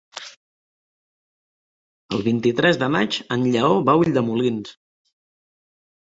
El vint-i-tres de maig en Lleó va a Ulldemolins.